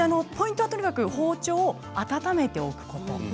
ポイントはとにかく包丁を温めておくこと。